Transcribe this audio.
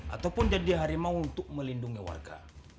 ataupun jadi harimau untuk melindungi warga